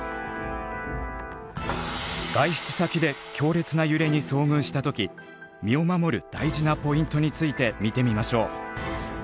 外出先で強烈な揺れに遭遇した時身を守る大事なポイントについて見てみましょう。